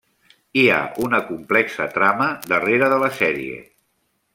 Hi ha una complexa trama darrere de la sèrie.